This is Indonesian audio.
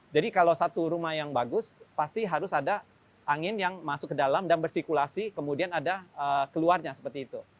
jadi kalau satu rumah yang bagus pasti harus ada angin yang masuk ke dalam dan bersikulasi kemudian ada keluarnya seperti itu